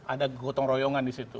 ada gotong royongan di situ